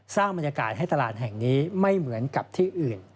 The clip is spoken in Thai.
สร้างบรรยากาศให้ตลาดแห่งนี้ไม่เหมือนกับที่อื่น